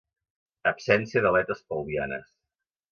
Absència d'aletes pelvianes.